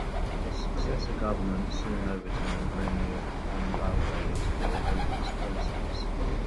The successor government soon overturned many of Tombalbaye's more odious policies.